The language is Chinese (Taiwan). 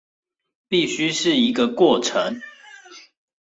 必須是一個過程